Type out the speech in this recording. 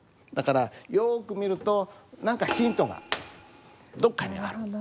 だからよく見ると何かヒントがどこかにある！